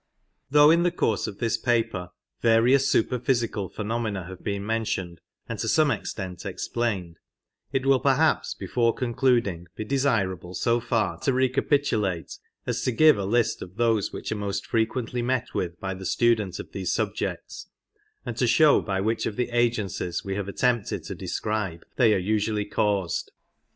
Though in the course of this paper various superphysical phenomena have been mentioned and to some extent ex plained, it will perhaps before concluding be desirable so far to recapitulate as to give a list of those which are most fre quently met with by the student of these subjects, and to show by which of the agencies we have attempted to describe they are usually caused.